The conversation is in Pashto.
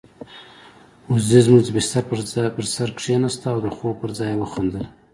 وزې زموږ د بستر پر سر کېناسته او د خوب پر ځای يې وخندل.